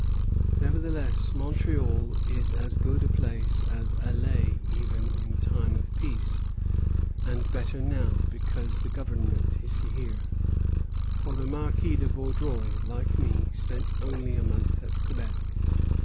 Nevertheless, Montreal is as good a place as Alais even in time of peace, and better now, because the Government is here; for the Marquis de Vaudreuil, like me, spent only a month at Quebec.